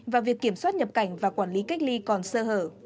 và việc kiểm soát nhập cảnh và quản lý cách ly còn sơ hở